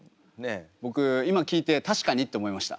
僕今聞いて確かにって思いました。